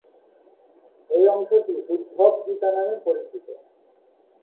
এই অংশটি "উদ্ধব গীতা" নামে পরিচিত।